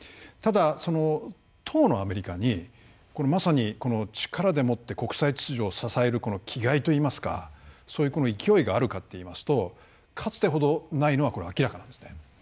ただ当のアメリカにまさに力でもって国際秩序を支える気概といいますかそういう勢いがあるかといいますとかつてほどないのはこれ明らかなんですね。